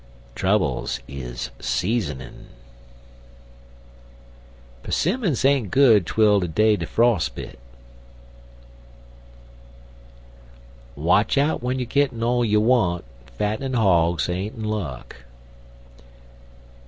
Troubles is seasonin'. 'Simmons ain't good twel dey 'er fros' bit. Watch out w'en you'er gittin all you want. Fattenin' hogs ain't in luck.